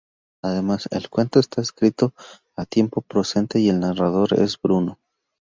Además, el cuento está escrito en tiempo presente y el narrador es Bruno.